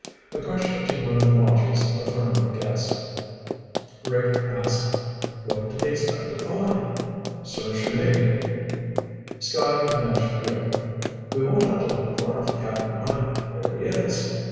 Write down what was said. A question to one of the watchers affirmed the guess. Rick asked, "What do they expect to find?" "Search me." Scotty nudged Rick. "We won't have to look far for Cap'n Mike. There he is."